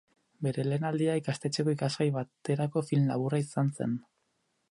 Bere lehen aldia ikastetxeko ikasgai baterako film laburra izan zen.